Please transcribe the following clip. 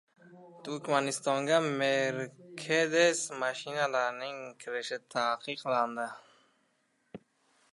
Turkmanistonga «Mercedes» mashinalarining kirishi taqiqlandi